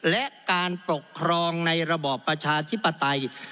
และการปกครองในระบอบประชาธิปไตย